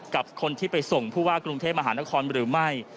กับคนที่ไปส่งผู้ว่ากรุงเทพมหานครหรือไม่